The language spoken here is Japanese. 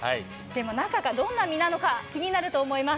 中がどんな身なのか気になると思います。